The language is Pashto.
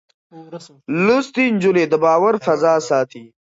لوستې نجونې د باور فضا ساتي.